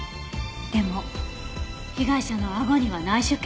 でも被害者のあごには内出血があった。